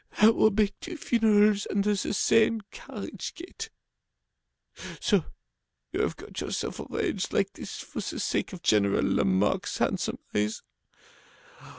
That will make two funerals under the same carriage gate. So you have got yourself arranged like this for the sake of General Lamarque's handsome eyes!